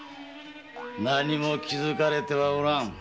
何も気づかれてはおらん。